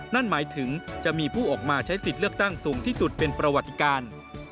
นั่นหมายถึงจะมีผู้ออกมาใช้สิทธิ์เลือกตั้งสูงที่สุดเป็นประวัติการ